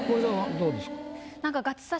どうですか？